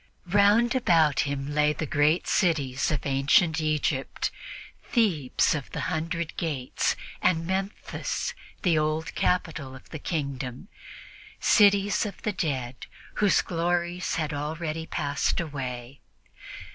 Round about him lay the great cities of ancient Egypt "Thebes of the Hundred Gates" and Memphis, the old capital of the kingdom cities of the dead whose glories had already passed away.